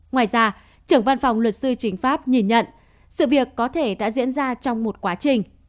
ngoài ra trưởng văn phòng luật sư chính pháp nhìn nhận sự việc có thể đã diễn ra trong một quá trình